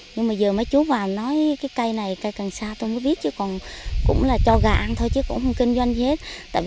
nhưng mà giờ mấy chú vào nói cái cây này cây cần sa tôi không biết chứ còn cũng là cho gà ăn thôi chứ cũng không kinh doanh gì hết